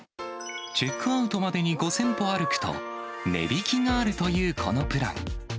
チェックアウトまでに５０００歩歩くと、値引きがあるというこのプラン。